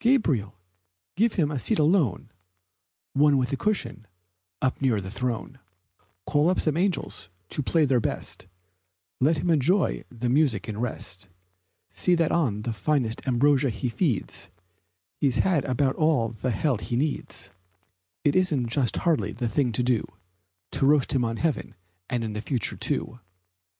Gabriel, give him a seat alone One with a cushion, up near the throne; Call up some angels to play their best, Let him enjoy the music in rest, See that on finest ambrosia he feeds, He's had about all the hell he needs; It isn't just hardly the thing to do To roast him on earth and the future, too."